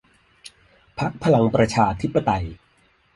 พรรคพลังประชาธิปไตย